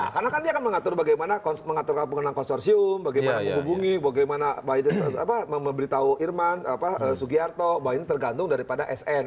ya karena kan dia akan mengatur bagaimana mengaturkan pengenalan konsorsium bagaimana menghubungi bagaimana memberitahu irman sugiharto bahwa ini tergantung daripada sn